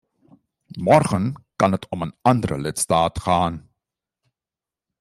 Morgen kan het om een andere lidstaat gaan.